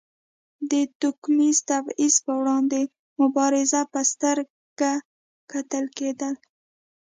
د توکمیز تبیض پر وړاندې مبارز په سترګه کتل کېدل.